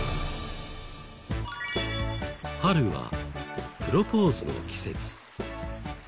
春はプロポーズの季節。